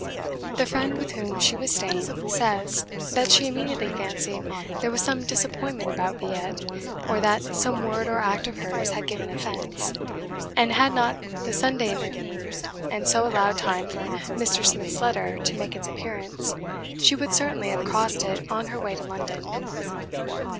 The friend with whom she was staying says, that she immediately fancied there was some disappointment about 'Villette,' or that some word or act of hers had given offence; and had not the Sunday intervened, and so allowed time for Mr. Smith's letter to make its appearance, she would certainly have crossed it on her way to London.